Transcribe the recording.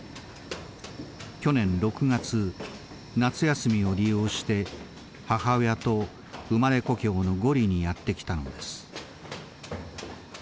去年６月夏休みを利用して母親と生まれ故郷のゴリにやって来たのです。